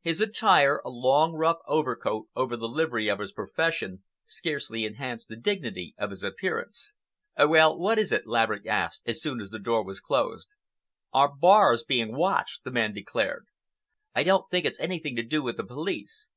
His attire—a long rough overcoat over the livery of his profession—scarcely enhanced the dignity of his appearance. "Well, what is it?" Laverick asked, as soon as the door was closed. "Our bar is being watched," the man declared. "I don't think it's anything to do with the police.